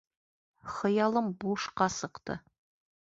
Хыялым бушҡа сыҡты.